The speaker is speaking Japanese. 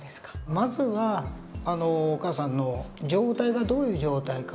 まずはお母さんの状態がどういう状態か。